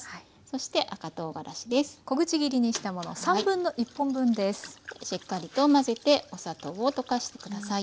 しっかりと混ぜてお砂糖を溶かして下さい。